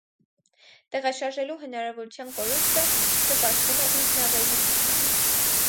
Տեղաշարժվելու հնարավորության կորուստը նպաստում է ինքնավերլուծությանը։